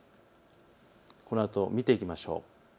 このあと見ていきましょう。